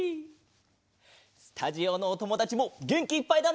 スタジオのおともだちもげんきいっぱいだね！